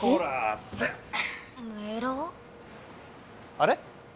あれ？